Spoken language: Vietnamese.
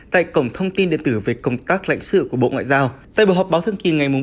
tại cổng thông tin điện tử về công tác lãnh sự của bộ ngoại giao tại buổi họp báo thương kỳ ngày một